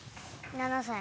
７歳。